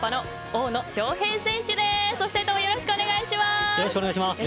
お二人ともよろしくお願いします。